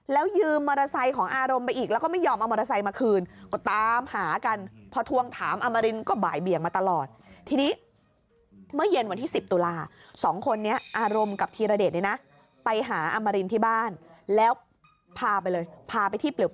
แล้ว๒คนนี้ทั้งอารมณ์และธีระเด็จบอกว่า